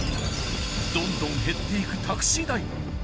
どんどん減っていくタクシー代。